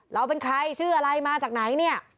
เราเป็นใครชื่ออะไรมาจากไหนเนี่ย